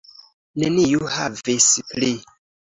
Neniu havis pli.